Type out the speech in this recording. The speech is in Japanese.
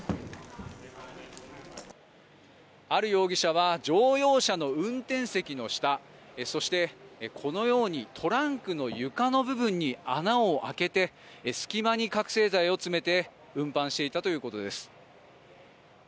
ある容疑者は乗用車の運転席の下そしてこのようにトランクの床の部分に穴を開けて隙間に覚醒剤を詰めて運搬していたということです。